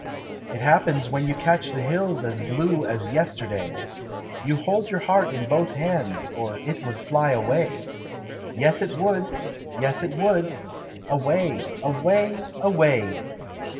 It happens when you catch the hills As blue as yesterday; You hold your heart in both your hands, Or it would fly away. Yes, it would! Yes, it would! Away away away!